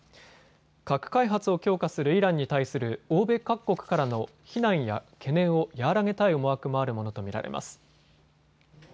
核開発を強化するイランに対する欧米各国からの非難や懸念を和らげたい思惑もあるものと見られます。